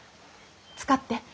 使って。